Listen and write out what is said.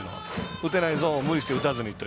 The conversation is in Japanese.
打てないゾーンを無理して打たずに。